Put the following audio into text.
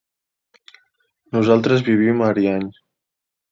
Nosaltres vivim a Ariany.